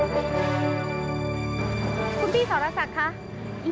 คุณพี่สรศักดิ์คะ